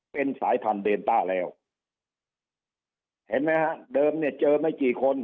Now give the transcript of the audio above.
เป็นสายพันธุเดนต้าแล้วเห็นไหมฮะเดิมเนี่ยเจอไม่กี่คน